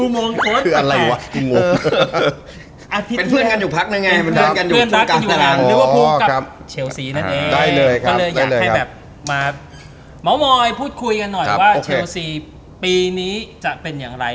ม้องมอยพูดคุยกันหน่อยว่าเชียลซีปีนี้จะเป็นอย่างไร